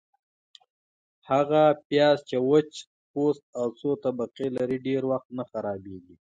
- هغه پیاز چي وچ پوست او څو طبقې لري، ډېر وخت نه خرابیږي.